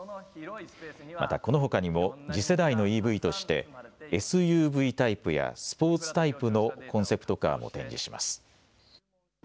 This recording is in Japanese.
またこのほかにも、次世代のＥＶとして、ＳＵＶタイプやスポーツタイプのコンセプトカーも展示します。